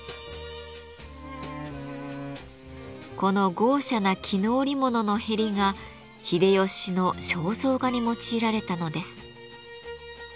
この豪奢な絹織物のへりが秀吉の肖像画に用いられたのです。